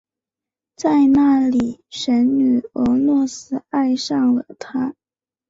在那里神女俄诺斯爱上了他。